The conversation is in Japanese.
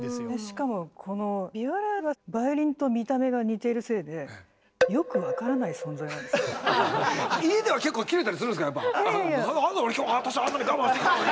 しかもこのビオラはバイオリンと見た目が似てるせいで家では結構キレたりするんですかやっぱ。